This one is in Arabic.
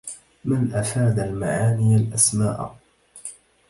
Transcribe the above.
مَنْ أفاد المعانيَ الأسماءَ